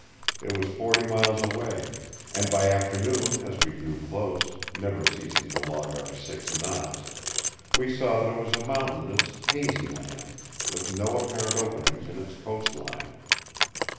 It was forty miles away, and by afternoon, as we drew close, never ceasing to log our six knots, we saw that it was a mountainous, hazy land, with no apparent openings in its coast line.